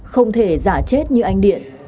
không thể giả chết như anh điện